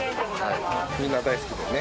みんな大好きだよね。